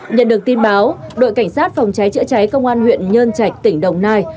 nhận được tin báo đội cảnh sát phòng cháy chữa cháy công an huyện nhơn chạch tỉnh đồng nai